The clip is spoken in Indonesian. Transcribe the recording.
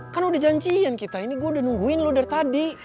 kan udah janjiin kita ini gue udah nungguin lo dari tadi